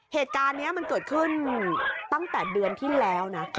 เหตุการณ์นี้มันเกิดขึ้นตั้งแต่เดือนที่แล้วนะ